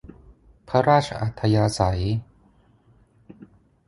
พระราชอัธยาศัย